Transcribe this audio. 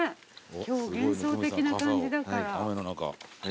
今日幻想的な感じだから。